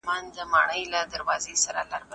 بلکه د هغوی له بریا څخه زده کړه وکړئ.